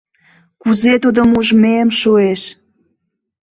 Кузе тудым ужмем шуэш!